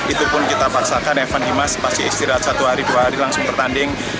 itu pun kita paksakan evan dimas pasti istirahat satu hari dua hari langsung bertanding